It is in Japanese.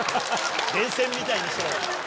電線みたいにしろ」。